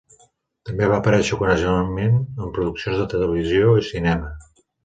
També va aparèixer ocasionalment en produccions de televisió i cinema.